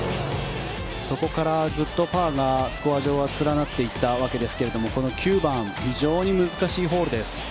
そこからずっとパーがスコア上は連なっていったわけですがこの９番非常に難しいホールです。